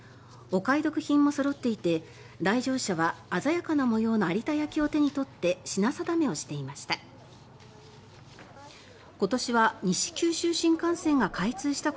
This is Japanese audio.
お買い得商品もそろっていて来場者は鮮やかな模様の有田焼を手に取って品定めをしていました。